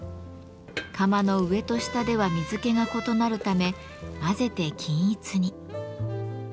釜の上と下では水けが異なるため混ぜて均一に。